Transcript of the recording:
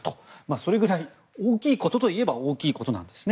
それぐらい大きいことといえば大きいことなんですね。